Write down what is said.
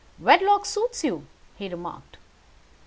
"Wedlock suits you," he remarked.